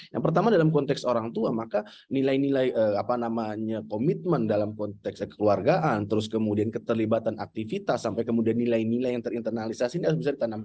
yang pertama dalam konteks orang tua maka nilai nilai komitmen dalam konteks kekeluargaan terus kemudian keterlibatan aktivitas sampai kemudian nilai nilai yang terinternalisasi ini harus bisa ditanam